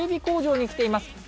工場に来ています。